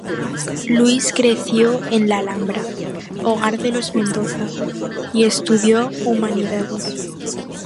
Luis creció pues en la Alhambra, hogar de los Mendoza, y estudió humanidades.